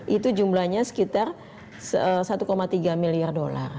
itu jumlahnya sekitar satu tiga miliar dolar